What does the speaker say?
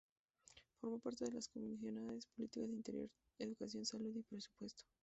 Formó parte de las comisiones de Política Interior, Educación, Salud y Presupuesto.